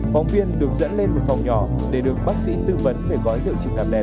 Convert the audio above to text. phóng viên được dẫn lên một phòng nhỏ để được bác sĩ tư vấn về gói liệu trình làm đẹp